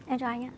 em chào anh ạ